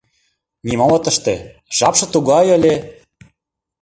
Нимом от ыште, жапше тугай ыле...